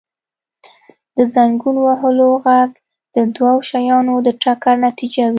• د زنګون وهلو ږغ د دوو شیانو د ټکر نتیجه وي.